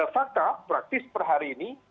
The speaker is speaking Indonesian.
fakta praktis per hari ini